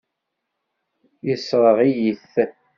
Yessṛeɣ-iyi-t.